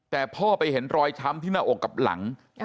แต่พ่อไปเห็นรอยช้ำที่หน้าอกกับหลัง